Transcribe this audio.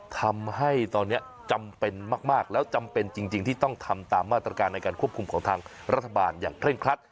ทำให้ตอนนี้จำเป็นมากแล้วจำเป็นจริงที่ต้องทำตามมาตรการในการควบคุมของทางรัฐบาลอย่างเคร่งครัด